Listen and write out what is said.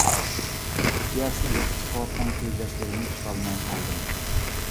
ئىختىيارىسىز ئېقىپ چىقىۋاتقان كۆز ياشلىرىمنى تۇتالماي قالدىم.